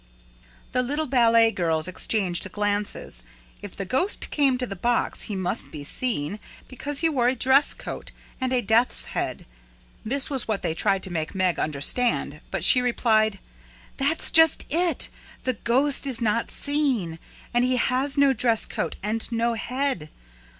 The little ballet girls exchanged glances. If the ghost came to the box, he must be seen, because he wore a dress coat and a death's head. This was what they tried to make Meg understand, but she replied: "That's just it! The ghost is not seen. And he has no dress coat and no head!